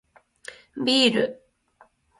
ビール